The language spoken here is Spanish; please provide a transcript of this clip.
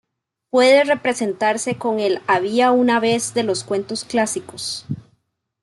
Puede representarse con el "Había una vez" de los cuentos clásicos.